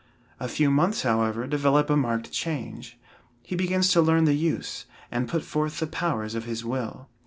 A few months, however, develop a marked change he begins to learn the use, and put forth the powers of his will.